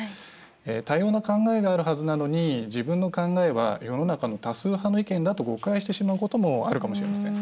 多様な考えがあるはずなのに自分の考えは世の中の多数派の意見だと誤解してしまうこともあるかもしれません。